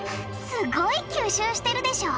すごい吸収してるでしょ？